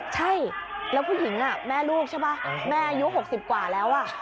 ใช่แล้วผู้หญิงแม่ลูกใช่ป่ะแม่อายุ๖๐กว่าแล้ว